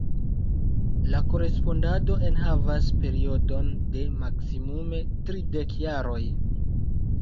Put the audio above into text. La korespondado enhavas periodon de maksimume tridek jaroj.